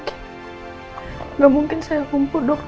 pada saat ini kemungkinan besar bu elsa mengalami kelumpuhan